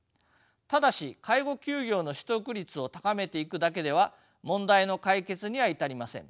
ただし介護休業の取得率を高めていくだけでは問題の解決には至りません。